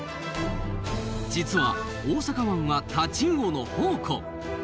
実は大阪湾はタチウオの宝庫！